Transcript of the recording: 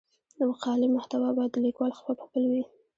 د مقالې محتوا باید د لیکوال خپل وي.